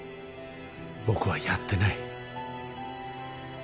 僕はやってない。